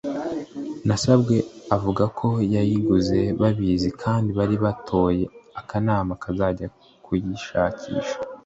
Nasabwe avuga ko yayiguze babizi kandi bari batoye akanama kazajya kuyishakisha